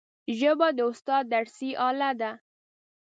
ژبه د استاد درسي آله ده